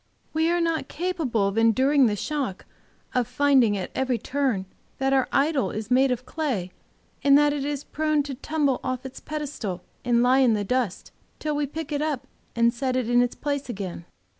We are not capable of enduring the shock of finding at every turn that our idol is made of clay, and that it is prone to tumble off its pedestal and lie in the dust, till we pick it up and set it in its place again.